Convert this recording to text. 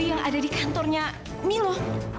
yang ada di kantornya milo